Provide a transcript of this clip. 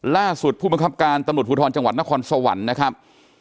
ผู้บังคับการตำรวจภูทรจังหวัดนครสวรรค์นะครับ